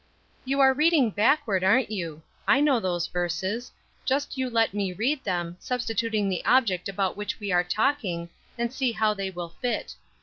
"You are reading backward, aren't you? I know those verses; just you let me read them, substituting the object about which we are talking, and see how they will fit.